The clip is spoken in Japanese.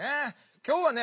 今日はね